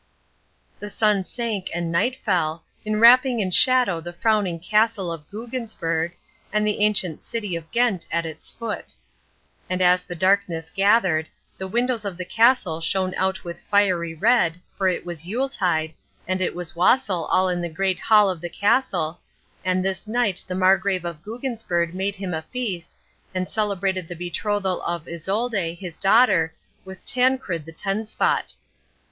The sun sank and night fell, enwrapping in shadow the frowning castle of Buggensberg, and the ancient city of Ghent at its foot. And as the darkness gathered, the windows of the castle shone out with fiery red, for it was Yuletide, and it was wassail all in the Great Hall of the castle, and this night the Margrave of Buggensberg made him a feast, and celebrated the betrothal of Isolde, his daughter, with Tancred the Tenspot.